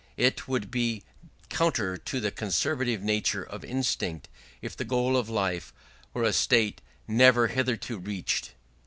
It would be counter to the conservative nature of instinct if the goal of life were a state never hitherto reached.